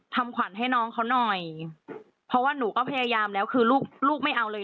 ทำขวัญให้น้องเขาหน่อยเพราะว่าหนูก็พยายามแล้วคือลูกลูกไม่เอาเลย